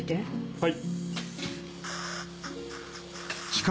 はい。